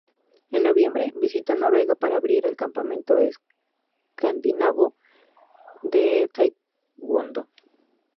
En noviembre, visitó Noruega para abrir el Campeonato Escandinavo de Taekwondo.